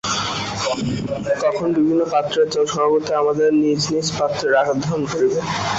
তখন বিভিন্ন পাত্রের জল স্বভাবতই আমাদের নিজ নিজ পাত্রের আকার ধারণ করিবে।